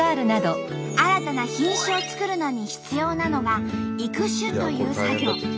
新たな品種を作るのに必要なのが「育種」という作業。